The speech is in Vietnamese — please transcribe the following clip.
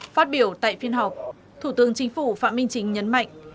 phát biểu tại phiên họp thủ tướng chính phủ phạm minh chính nhấn mạnh